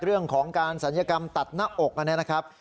เรื่องของการศัลยกรรมตัดหน้าอกอันนี้นะครับ